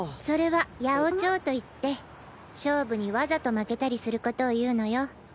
それは「八百長」といって勝負にわざと負けたりすることを言うのよ。